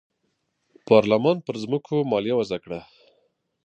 پارلمان پر ځمکو مالیه وضعه کړه.